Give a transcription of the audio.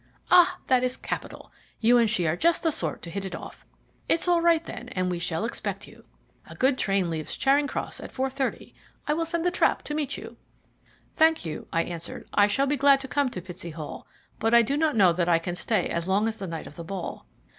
"Ah! that is capital; you and she are just the sort to hit it off. It's all right, then, and we shall expect you. A good train leaves Charing Cross at 4.30. I will send the trap to meet you." "Thank you," I answered. "I shall be glad to come to Pitsey Hall, but I do not know that I can stay as long as the night of the ball."